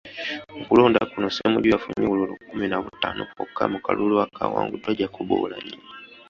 Mu kulonda kuno Ssemujju yafunye obululu kkumi na butaano bwokka mu kalulu akaawanguddwa Jacob Oulanyah .